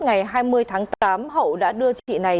ngày hai mươi tháng tám hậu đã đưa chị này